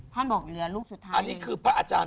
พี่อาจารย์บอกเหลือรูกสุดท้าย